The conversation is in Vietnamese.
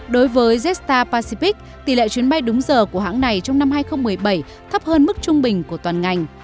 đối với jetstar pacific tỷ lệ chuyến bay đúng giờ của hãng này trong năm hai nghìn một mươi bảy thấp hơn mức trung bình của toàn ngành